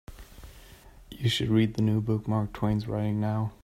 You should read the new book Mark Twain's writing now.